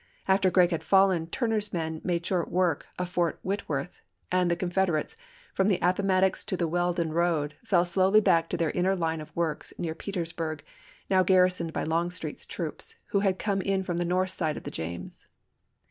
After Gregg had fallen, Turner's men made short work of Fort Whitworth, and the Confeder ates, from the Appomattox to the Weldon road, fell slowly back to their inner line of works near Petersburg, now garrisoned by Longstreet's troops, who had come in from the north side of the James.